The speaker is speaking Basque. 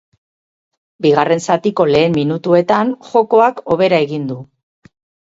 Bigarren zatiko lehen minutuetan, jokoak hobera egin du.